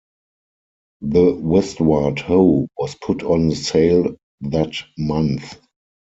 The Westward Ho was put on sale that month.